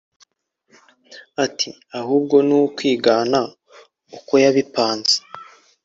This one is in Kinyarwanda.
Ati “Ahubwo ni ukwigana uko yabipanze